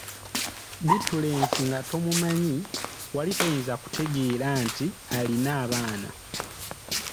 Bittulensi nga tomumanyi, wali toyinza kutegeera nti alina abaana!